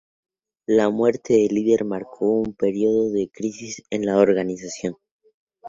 La muerte del líder marcó un periodo de crisis en la organización.